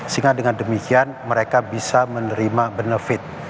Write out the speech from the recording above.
sehingga dengan demikian mereka bisa menerima benefit dari event event internasional ini